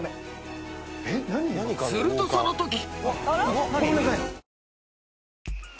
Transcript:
［するとそのとき］